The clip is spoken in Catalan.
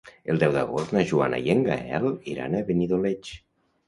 El deu d'agost na Joana i en Gaël iran a Benidoleig.